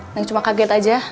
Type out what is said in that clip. neng cuma kaget aja